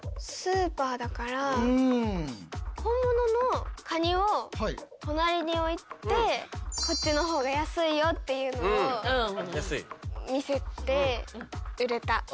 スーパーだから本物のカニを隣に置いてこっちの方が安いよっていうのを見せて売れた。